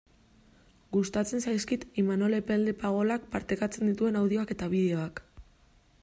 Gustatzen zaizkit Imanol Epelde Pagolak partekatzen dituen audioak eta bideoak.